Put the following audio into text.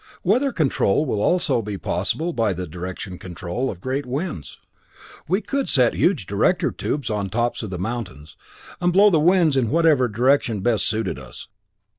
Weather control will also be possible by the direction control of great winds. We could set huge director tubes on the tops of mountains, and blow the winds in whatever direction best suited us.